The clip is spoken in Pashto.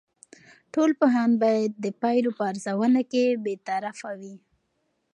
ټول پوهان باید د پایلو په ارزونه کې بیطرف وي.